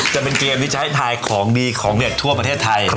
นี่จะเป็นเกมที่จะให้ถ่ายของดีของเลือกภอดีภายพยาบาลพิเศษฐาย